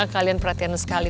kalian perhatian sekali